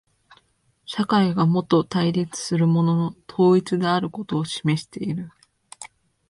社会がもと対立するものの統一であることを示している。